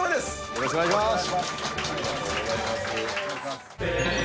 よろしくお願いします